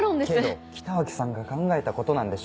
けど北脇さんが考えたことなんでしょ？